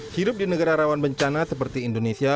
hidup di negara rawan bencana seperti indonesia